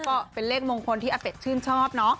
ก็เป็นเลขมงคลที่อาเป็ดชื่นชอบเนาะ